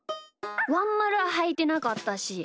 ワンまるははいてなかったし。